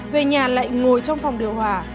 về nhà lại ngồi trong phòng điều hòa